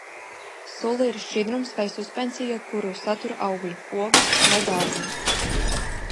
Sula ir šķidrums vai suspensija, kuru satur augļi, ogas vai dārzeņi.